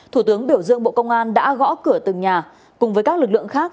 thủ tướng biểu dương bộ công an đã gõ cửa từng nhà cùng với các lực lượng khác